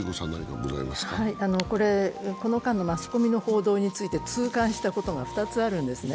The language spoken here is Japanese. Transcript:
この間のマスコミの報道について痛感したことが２つあるんですね。